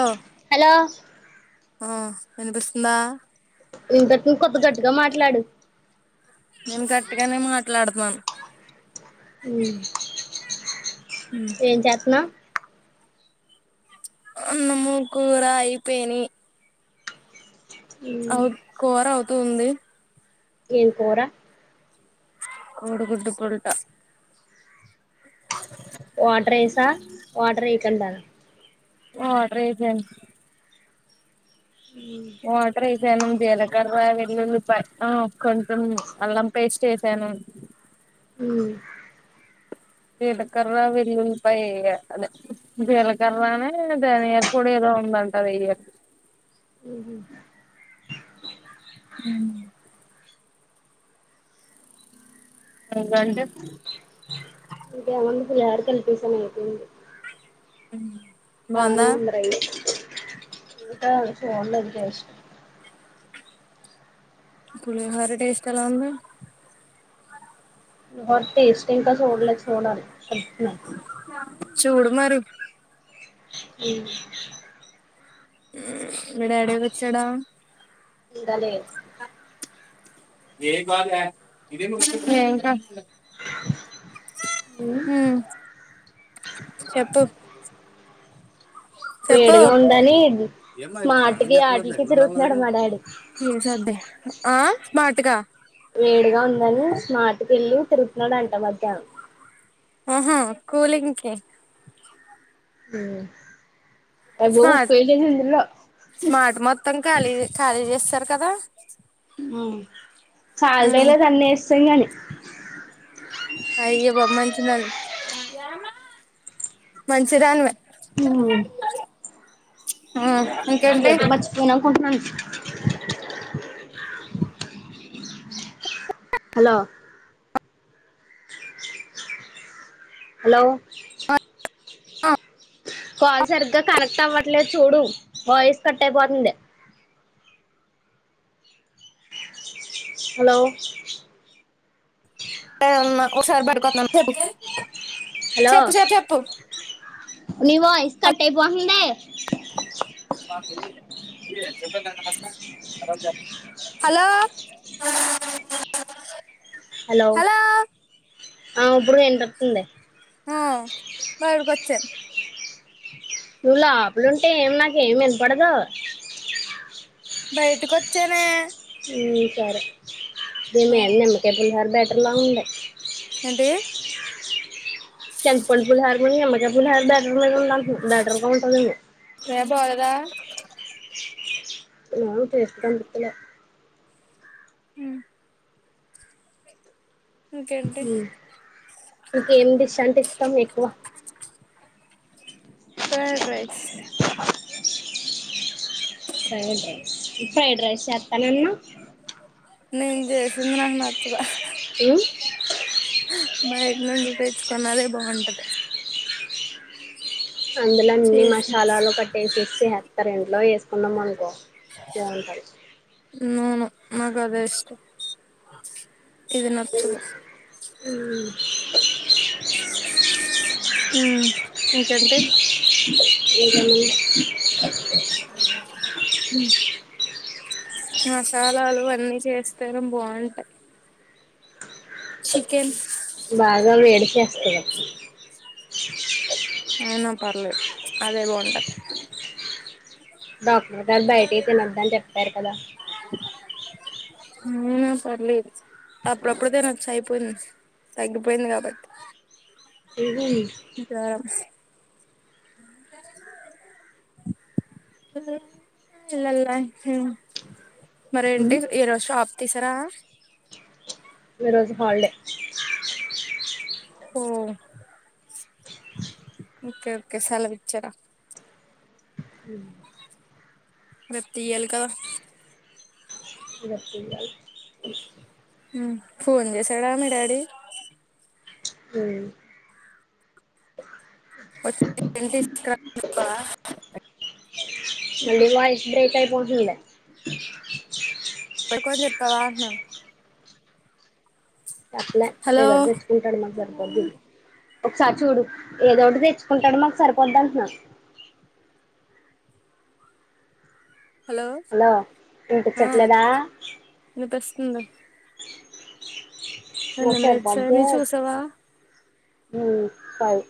Hello hello ఆ వినిపిస్తుందా ఇంతకు ఇంకొత్తి గట్టిగా మాట్లాడు ట్లాడ్తనాను మ్ ఏం చేత్నావ్ అన్నము కూర అయిపోయినయి అవుద్ కుర అవుద్ కుంది ఏం కూర కోడి గుడ్డు పుల్ట వాటరేసా వాటరేయకండా వాటరైపొయ్న్ హు పెనం జీలకర్ర వెల్లుల్లిపాయ్ అ కొంచెం అల్లం పేస్టే పెనం మ్ జీలకర్ర వెల్లుల్లిపాయ్యెయ్య అదే జీలకర్రాని ధనియార్ పొడేదో ఉందంటదెయ్యాలి ఉహు మ్ [unintelligible] ఇంకేముంది పులిహోర కలిపేసాను అయిపోంది మ్హ్ బానే ఉంది రై ఇంక ఫోన్లో కేశ్నం పుళిహోర టేస్ట్ ఎలా ఉంది హోరా టేస్టింకా చూడలే చూడాలి కలుపుతున్నాం చూడు మరి మ్ మ్ మీ డాడీ వచ్చాడా ఇంకాలే ఏం కా మ్మ్ చెప్పు చెప్పు వేడిగా ఉందని ఏం స్మార్ట్ కి ఆటికి తిరుగుతున్నాడు మా డాడీ చడ్డీ ఆ స్మార్ట్ కా వేడిగా ఉందని స్మార్ట్ కెళ్ళి తిరుగుతున్నాడంట మధ్యానం ఆహా కూలింగ్కి హమ్ అ బ స్మార్ట్ పేజందలో స్మార్ట్ మొత్తం ఖాళీ ఖాళీ చేస్తారు కదా మవు [unintelligible] సాలరీలే తన్నే చెయ్యాలి అయ్య బొమ్మంచి మంచి మంచిదా అన్వే హు ఆ ఏంటి మర్చిపోయాను అనుకుంటున్నాను [inaudible] హలో హలో కాల్ సరిగ్గా కనెక్ట్ అవ్వట్లేదు చూడు వాయిస్ కట్ అయిపోతుంది హలో మా సారి బయటకొతున్నా చెపు చెప్పు చెప్పు చెప్పు ను వయిస్ కట్ అయ్యిపోతుంది హలో హలో అవు ఇప్పుడు ఎండోతుంది బయడు కొచ్చ నువ్వు లోపలింటే ఏం నాక ఏమి వినపడదు బయటకొచ్చానే ఈ సరే ద మే హ్మ్ నిమ్మకయ పులిహోర హ బెటర్లా ఉండే ఎంటి చింతపండు పులిహోర ను నిమ్మకాయ పులిహోర ల్ లంటుది లాదర్ పనుం ఏ [inaudible] నాను చేస్తుంటలె హ్మ్ ఇంకేంటి ఇంకేం డిష్ అంటే ఇష్టం ఎక్కువ fried rice fried rice fried rice చేత్తనమ్మ నేన్ చేసింది నాకు నచ్చదు ఉమ్ ఇన్నొం నువ్వే ఇచ్చుకో నాదే బాగుంటది అందులో అన్ని చేసి మసాలాలు కట్టేసేసి ఎత్త రెంట్లో వేస్ వండమను పో ఏం కర్రీ నాకదే ఇష్టం ఇది నచ్చదు హుమ్ హుమ్ ఇంకేంటి ఇంకేమి మసాలాలు అన్నీ చేస్తేనే బాగుంటాయి బాగా వేడి చేస్తాయిగ అయిన పర్లేదు అదే బాంటది డాక్టర్ గారు బయటివి తినద్దని చెప్పారు కదా ఊ పర్లేదు అప్పుడప్పుడుదే నచ్చయిపోయింది, తగ్గిపోయింది కాబట్టి ఏది జాబ్స్ లే ఇల్లల ఐస్ క్రీం మరి ఉమ్ ఏంటి ఈరోజు షాప్ తిసరా ఈ రోజు హాల్ డే హు ఓకే ఓకే సెలవిచ్చారా హుమ్ రేప్ తీయాలి కదా ఇగ చూడాలి హుమ్ ఫోన్ చేశాడా మీ డాడీ హుమ్ వచ్చి [unintelligible] మళ్ళీ వాయిస్ బ్రేక్ అయిపోతుంది ఇప్పటికీ కూడా చెప్పవ అంటున్న చెప్ప ల్యే హలో ఏదోటి తెచ్చుకుంటడు మాకు సర్ ఒక సారి చూడు ఏదో ఒకటి తెచ్చుకుంటాడు మాకు సరిపోద్ది అంట్న హలో ఇనిపిచ్చట్లేదా ఉండ్ మాకు నెమలి వచ్చే నీ చూసావా ఊ ఫైవ్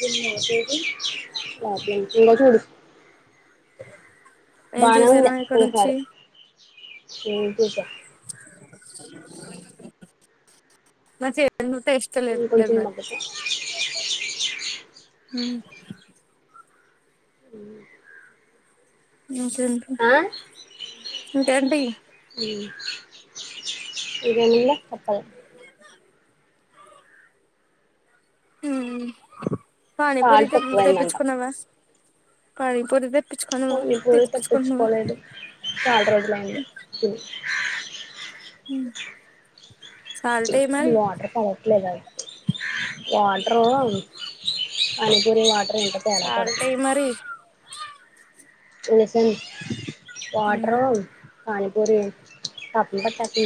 నిన్నే [inaudible] చేసి [inaudible] ఇగో చూడు [inaudible] బానేఉండే చూసానా ఇక్కడ నుంచి ఈసారి [inaudible] నచె నుతేస్ట్ ఇం కొంచెం మగ్గ కియు వె [inaudible] హు హమ్ ఆ [inaudible] ఇంకేంటి ఇది ఎందుల తప్పాల హమ్ పానీపూరి సాల్ట్ తెప్పించు తక్కువైందంట తెప్పించుకున్నావా. పని పూరి పని పూరి చెప్పుకోలేదు చల్రోజు అయింది తిని ఉ ఉమ్ [inaudible] వాటర్ పడట్లేద వాటరూ అని గుడి వాటర్ ఇంత తేడా సాల్ట్ పడుతుంది ఎయ్ మరి తినేసి ఉ వాటరు పని పూరి [inaudible] లేద్మరి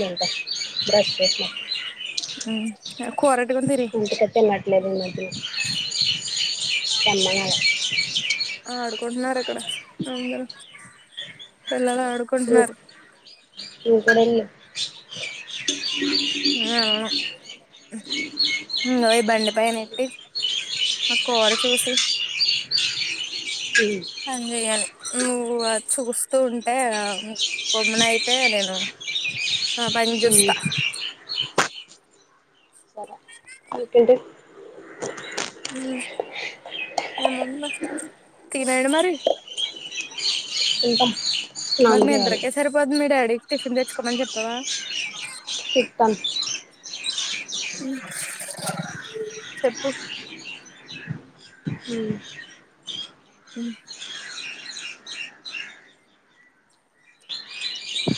కూరట్టుకుని తిరి [inaudible] ఎన్ననాల కొడ్నార ఎక్కడ అంద ఎల్ అనుకుంటున్నారు ఇ కూడాడ ఆ వ బండిపైన ఎట్టి మా కూర చూసి సంజయన నువ్వు చూస్తూ ఉంటే కొమ్మన అయితే నేను ఆ పంచుస్త [unintelligible] ఏమున్నా తినేయండి మరి ఎంటా మరి స్నాన్ మీ చేయాలి ఇద్దరికే సరిపోద్ది మీ డాడీకి టిఫిన్ తెచ్చుకోమని చెప్పావా చెప్తాను చెప్పు హుమ్ ఉమ్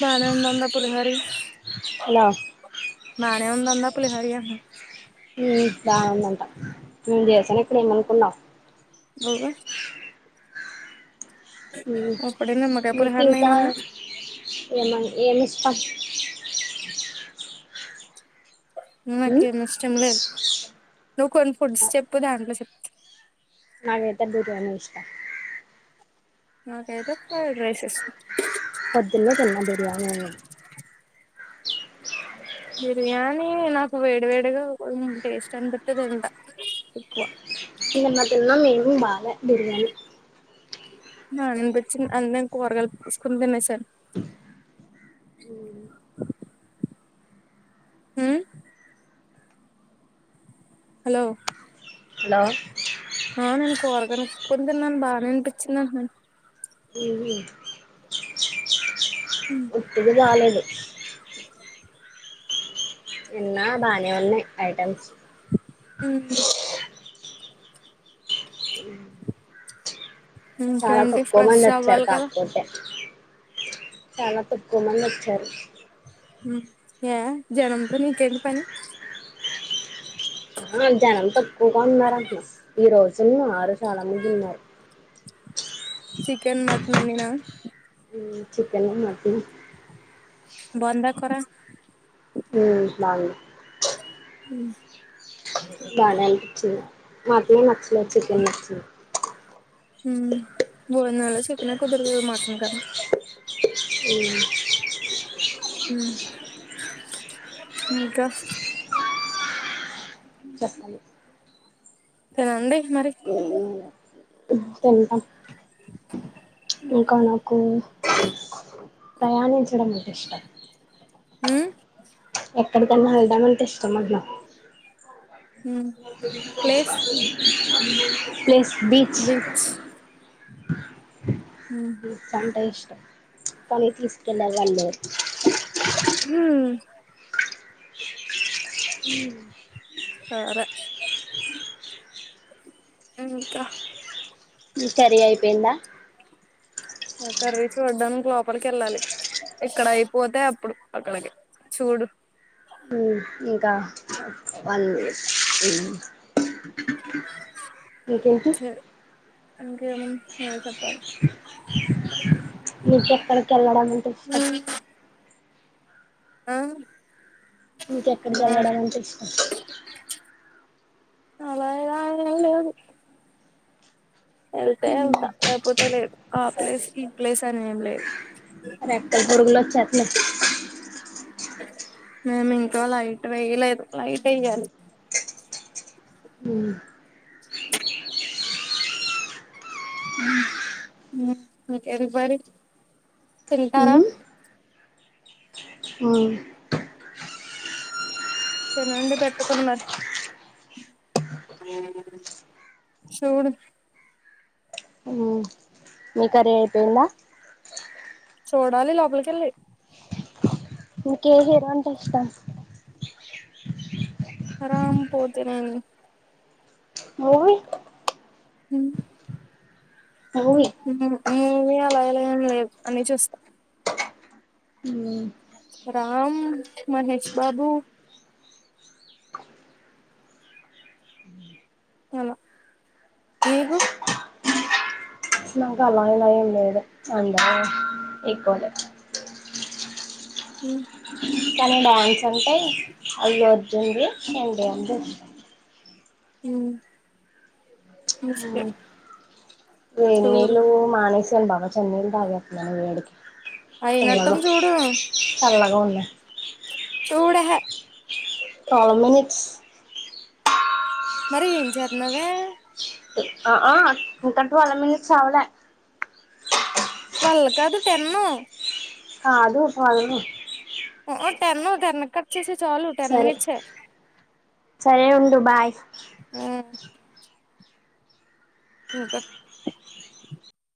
బానే ఉన్ దందా పులిహోరు హలో బానే ఉందంటన పులిహోరు మేము చేసాను ఇక్కడ ఏమనుకున్నావు మీరా ఉమ్ అప్పుడే నిమ్మకాయ మీకు ఇంకా పులిహోరనేయమన్నావ్ ఏమ ఏమిస్ట్ అ నాకేం ఇష్టం లేదు నువ్వు కొన్ని ఫుడ్స్ చెప్పు దాంట్లో చెప్తా నాకైతే బిర్యానీ ఇష్టం నాకతే ఫ్రైడ్ రైస్ ఎస్త పొద్దున్న తిన్న బిర్యాని అన్నం బిర్యానీ నాకు వేడి వేడిగా టేస్ట్ అనిపితే తింట ఎక్కువ నిన్న తిన్నాం ఈవెనింగ్ బాల బిర్యానీ ఆ ఇంతోచ్చింది అందకని కూరగాయలు కోసుకుని తినేసాను. ఉమ్ హలో హలో ఆ నేను కూరగాయని కొనుక్కుని తిన్నాను బాగానే అనిపించింది అంటనాను ఉమ్ ఉమ్ బాలేదు నిన్న బానే ఉన్నయ్ ఐటమ్స్ ఉమ్ చాలా ఇంకేంటి తక్కువ మంది ఫ్రెష్ వచ్చారు అవ్వాలి కదా కాకపోతే చాలా తక్కువ మంది వచ్చారు ఉమ్ ఏ జనంతో నీకేంటి పని ఆ జనం తో ఇంకా ఉన్నారంటన ఈరోజు మారస్ చాలామంది ఉన్నారు చికెన్ మటన్ వండినా ఉమ్ చికెను, మట్ ను బందా కురా ఉమ్ బావుంది ఉమ్ బానే అనిపిచింది మటనె నచ్ నాక్ చికెన్ నచ్చింది ఉమ్ భోజనాల్లో చికెనే కుదరదు మటన్ కన్నా ఊ ఉమ్ ఇంకా చెప్పాలి తినండి మరి తింటాం ఇంకా నాకు ప్రయాణించడం నాక్ ఇష్టం ఉమ్ ఎక్కడికన్న వెళ్దామంటే ఇష్ సమడ్ల ప్లేస్ ప్లేస్ బీచ్ ఉమ్ బీచ్ అంటే ఇష్టం కని తీస్కెళ్లే వాళ్ లేరు ఉమ్ ఉమ్ సరే ఇంకా ఉమ్ కర్రీ అయిపెందా ఆ కర్రీ చూడనికి లోపలికి ఎళ్ళాలి ఇక్కడ అయిపోతే అప్పుడు అక్కడికి చూడు ఉమ్ ఇంకా వన్ ఇంకేంటి చె ఇంకేముంద్ నువ్వే చెప్పాలి చర్రడం అంటే ఇష్టం ఆ మీకెక్కడికి ఎళ్ళడం అంటే ఇష్టం అలా ఇలా అనేం లేదు ఎళ్తే ఎళ్తా ల్యాపోత్ అంతే లేదు ఆ ప్లేస్ ఈ ప్లేస్ అని ఏం లేదు ఎ రేకాల పోడుగలో వచ్చ న మేము ఇంకో లైట్ వయలేదు లైట్ వయ్యాలి హ్మ్ హ్మ్ హ్మ్ ఎవరీ బడీ తింటారా ఉమ్ తినండి పెట్టుకుని మరి చూడు మీకు కర్రీ అయిపోయిందా చూడాలి లోపలికెళ్ళి ఇకే హీరో అంటే ఇష్టం అరాం పోతే నేని మూవీ హ అవ్ఇ మమ్మీ అలా ఎలా ఏం లేదు అని చూస్తా ఉమ్ రామ్ మహేష్ బాబు అమ నీకు నాక అలా ఇలా ఏం లేదు అందరూ ఈక్వల్ ఏ హమ్ కనడా అంటే అల్లు అర్ ఏంది ఎంటి అంది ఉ మంచిది నువ్వు ఎనెళ్లు మానేసి థిన్ బాగోచె చెన్నై నీళ్లూ తాగట్లేదు వేడికి అయినత్తం చల్లగా చూడు చల్లగా ఉన్నాయి చూడు యాహే ఫైవ్ మినిట్స్ మరి ఏం చేతున్నావే ఆ ఆ‌ ట్వువ్వ్ వాళ్ళ మీదకి చాల లే ట్వెల్ కాదు టెన్ కాదు పొల్నీ ఓ టెన్ తెన్ను కట్ చేస్తున్ సరే సరే ఉండు బాయ్ ఇంకా